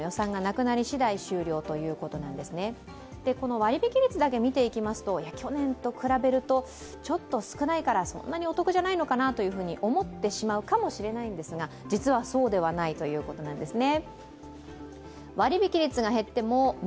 割引率だけ見ていきますと去年と比べるとちょっと少ないから、そんなにお得じゃないかなと思ってしまうかもしれないんですが実は、そうではないということなんですね。